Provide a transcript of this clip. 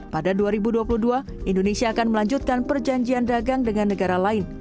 pada dua ribu dua puluh dua indonesia akan melanjutkan perjanjian dagang dengan negara lain